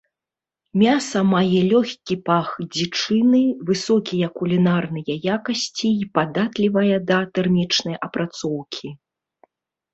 Мяса мае лёгкі пах дзічыны, высокія кулінарныя якасці і падатлівае да тэрмічнай апрацоўкі.